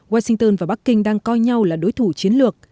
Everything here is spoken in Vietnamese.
washington và bắc kinh đang coi nhau là đối thủ chiến lược